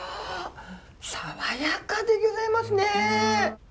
爽やかでぎょざいますね。